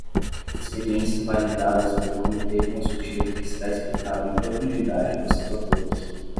Experiências validadas pelo comitê consultivo que será explicado em profundidade por seus autores.